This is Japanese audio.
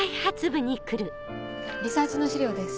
リサーチの資料です。